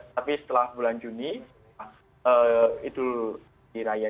tapi setelah bulan juni itu diraya